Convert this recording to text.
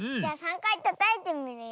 かいたたいてみるよ。